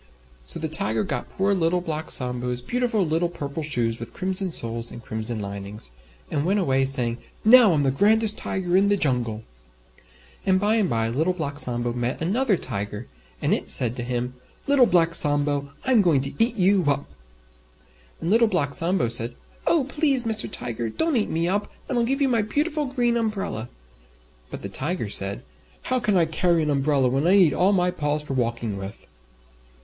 So the Tiger got poor Little Black Sambo's beautiful little Purple Shoes with Crimson Soles and Crimson Linings, and went away saying, "Now I'm the grandest Tiger in the Jungle." And by and by Little Black Sambo met another Tiger, and it said to him, "Little Black Sambo, I'm going to eat you up!" And Little Black Sambo said, "Oh! Please, Mr. Tiger, don't eat me up and I'll give you my beautiful Green Umbrella." But the Tiger said, "How can I carry an umbrella when I need all my paws for walking with?"